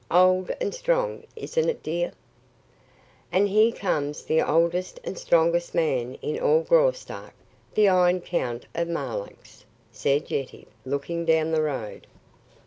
Old and strong isn't it, dear?" "And here rides the oldest and strongest man in all Graustark the Iron Count of Marlanx," said Yetive, looking down the road.